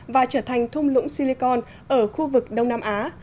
và trở thành thung lũng silicon ở khu vực đông nam á